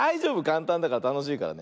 かんたんだからたのしいから。